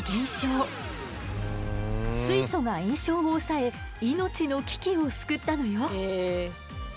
水素が炎症を抑え命の危機を救ったのよ。